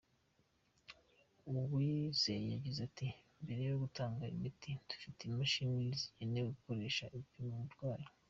Uwizeye yagize ati “ Mbere yo gutanga imiti ,dufite imashini zabigenewe dukoresha dupima umurwayi.